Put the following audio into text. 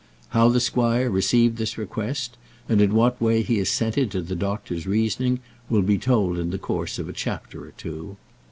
How the squire received this request, and in what way he assented to the doctor's reasoning, will be told in the course of a chapter or two.